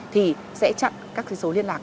thì sẽ chặn các số liên lạc